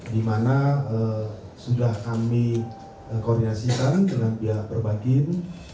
dimana sudah kami koordinasikan dengan pihak perbankan